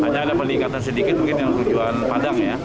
hanya ada peningkatan sedikit mungkin yang tujuan padang ya